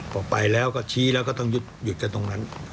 พอไปแล้วก็ชี้แล้วก็ต้องหยุดกันตรงนั้น